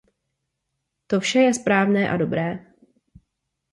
To vše je správné a dobré.